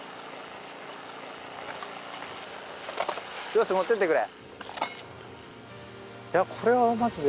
よし持って行ってくれ。